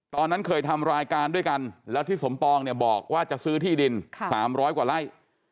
ตอนนั้นเคยทำรายการด้วยกันแล้วที่สมปองเนี่ยบอกว่าจะซื้อที่ดิน๓๐๐กว่าไร่